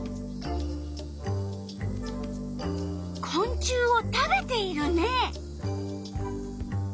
こん虫を食べているね。